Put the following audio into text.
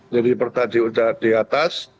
jadi perta di atas